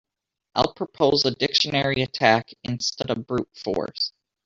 I'd propose a dictionary attack instead of brute force.